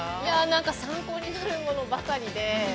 ◆なんか参考になるものばかりで。